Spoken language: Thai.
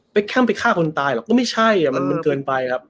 แคมไปฆ่าคนตายหรอกก็ไม่ใช่มันเกินไปครับ